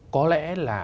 có lẽ là